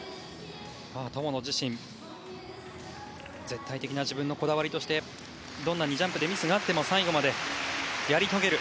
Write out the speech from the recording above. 友野自身絶対的な自分のこだわりとしてどんなにジャンプでミスがあっても最後までやり遂げる。